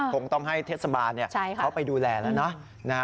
คงต้องให้เทศบาลเขาไปดูแลแล้วนะ